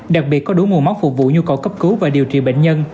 đặc biệt có đủ nguồn máu phục vụ nhu cầu cấp cứu và điều trị bệnh nhân